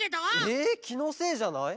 えきのせいじゃない？